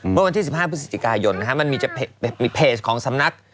เพราะวันที่สิบห้าพฤศจิกายนนะคะมันมีจะมีเพจของสำนัก